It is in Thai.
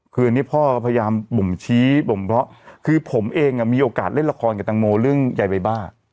คืออันนี้พ่อก็พยายามบ่งชี้บ่มเพราะคือผมเองมีโอกาสเล่นละครกับตังโมเรื่องยายใบบ้า